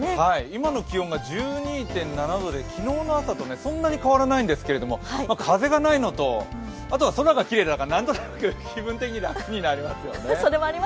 今の気温が１２．７度で昨日の朝とそんなに変わらないんですけど風がないのとあとは空がきれいだから何となく気分的に楽になりますよね。